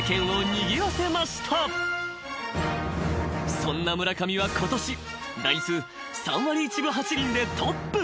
［そんな村上はことし打率３割１分８厘でトップ］